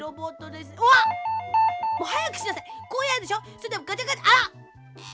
それでガチャガチャあらっ！